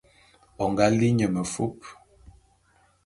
O nga li nye mefup.